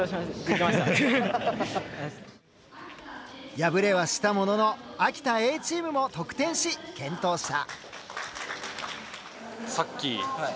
敗れはしたものの秋田Ａチームも得点し健闘した。